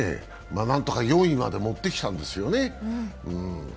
何とか４位までもってきたんですよね。